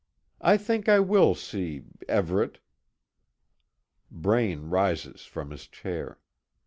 I think I will see Everet." Braine rises from his chair.